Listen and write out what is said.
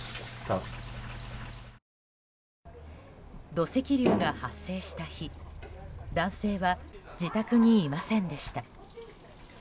土石流が発生した日男性は自宅にいませんでした。